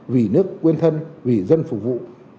vì nước quên thân vì dân phục vụ